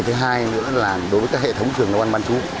thứ hai nữa là đối với các hệ thống trường nông an ban trú